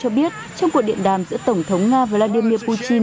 cho biết trong cuộc điện đàm giữa tổng thống nga vladimir putin